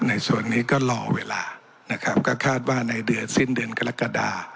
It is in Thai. ในส่วนนี้ก็รอเวลานะครับก็คาดว่าในเดือนสิ้นเดือนกรกฎา